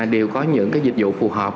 đều có những dịch vụ phù hợp